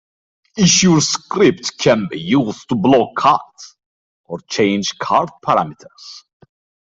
Issuer script can be used to block cards, or change card parameters.